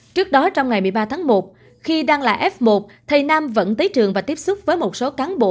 trước đó trong ngày một mươi ba tháng một khi đang là f một thầy nam vẫn tới trường và tiếp xúc với một số cán bộ